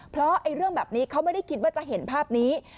เพราะเรื่องแบบนี้เขาไม่ได้คิดว่าจะเห็นภาพนี้